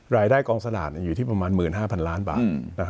รายได้กองสระอยู่ที่ประมาณ๑๕๐๐๐ล้านบาท